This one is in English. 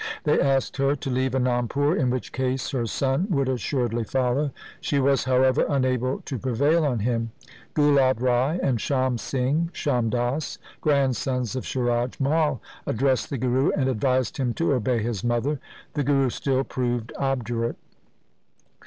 They asked her to leave Anandpur, in which case her son would assuredly follow. She was, however, unable to prevail on him. Gulab Rai and Sham Singh (Sham Das), grandsons of Suraj Mai addressed the Guru and advised him to obey his mother. The Guru still proved obdurate.